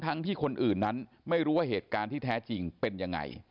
ที่คนอื่นนั้นไม่รู้ว่าเหตุการณ์ที่แท้จริงเป็นยังไง